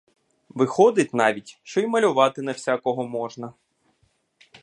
Виходить навіть, що й малювати не всякого можна.